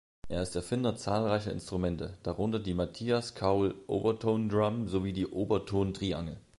Er ist Erfinder zahlreicher Instrumente, darunter die Matthias Kaul-„Overtonedrum“ sowie die Oberton-Triangel.